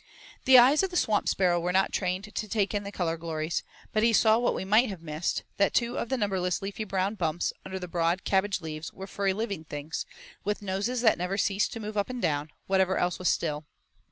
The eyes of the swamp sparrow were not trained to take in the color glories, but he saw what we might have missed; that two of the numberless leafy brown bumps under the broad cabbage leaves were furry living things, with noses that never ceased to move up and down, whatever else was still.